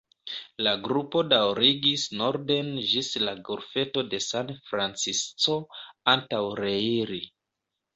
La grupo daŭrigis norden ĝis la golfeto de San Francisco antaŭ reiri.